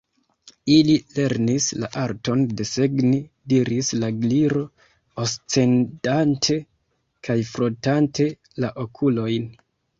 "Ili lernis la arton desegni," diris la Gliro, oscedante kaj frotante la okulojn.